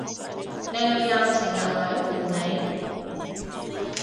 你女友成日女唔你？